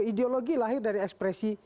ideologi lahir dari ekspresi